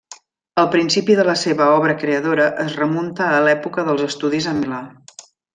El principi de la seva obra creadora es remunta a l'època dels estudis a Milà.